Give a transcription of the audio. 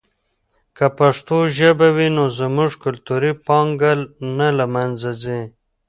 که پښتو ژبه وي نو زموږ کلتوري پانګه نه له منځه ځي.